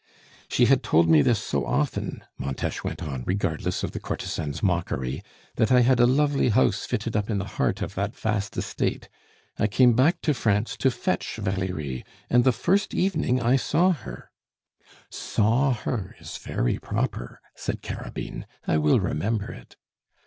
"She had told me this so often," Montes went on, regardless of the courtesan's mockery, "that I had a lovely house fitted up in the heart of that vast estate. I came back to France to fetch Valerie, and the first evening I saw her " "Saw her is very proper!" said Carabine. "I will remember it."